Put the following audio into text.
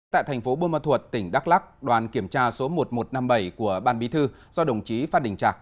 tại thành phố buôn ma thuột tỉnh đắk lắc đoàn kiểm tra số một nghìn một trăm năm mươi bảy của ban bí thư do đồng chí phan đình trạc